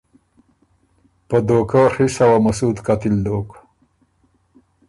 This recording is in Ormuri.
په دهوکۀ ڒی سوه مسود قتل دوک۔